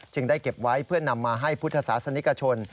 ได้เก็บไว้เพื่อนำมาให้พุทธศาสนิกชน